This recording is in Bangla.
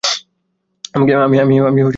আমি এটা কেন ভাববো?